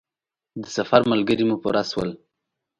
د سفر ملګري مو پوره شول.